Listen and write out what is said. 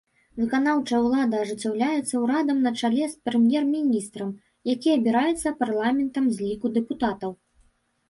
Выканаўчая ўлада ажыццяўляецца ўрадам на чале з прэм'ер-міністрам, які абіраецца парламентам з ліку дэпутатаў.